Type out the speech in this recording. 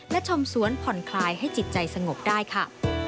และชมสวนผ่อนคลายให้จิตใจสงบได้ค่ะ